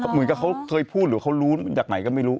เหมือนกับเขาเคยพูดหรือเขารู้จากไหนก็ไม่รู้